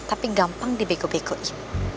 tapi gampang dibeko bekoin